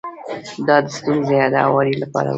دا د ستونزې د هواري لپاره و.